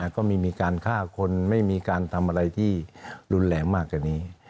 ก็ไม่มีการฆ่าคนไม่มีการทำอะไรที่รุนแรงมากกว่านี้